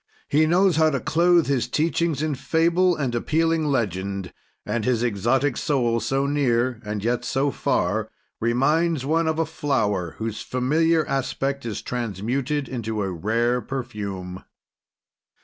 He knows how to clothe his teachings in fable and appealing legend, and his exotic soul, so near and yet so far, reminds one of a flower, whose familiar aspect is transmuted into rare perfume.